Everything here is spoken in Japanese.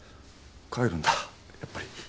帰るんだやっぱり。